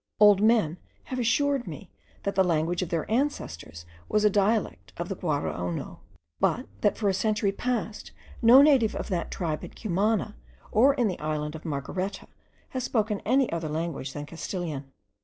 Old men have assured me that the language of their ancestors was a dialect of the Guaraouno; but that for a century past no native of that tribe at Cumana, or in the island of Margareta, has spoken any other language than Castilian.